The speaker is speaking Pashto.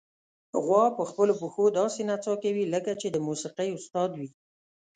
غوا په خپلو پښو داسې نڅا کوي، لکه چې د موسیقۍ استاد وي.